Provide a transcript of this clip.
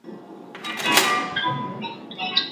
هغه څه به له منځه ولاړ سي، چي ددې او الله تعالی ترمنځ وي.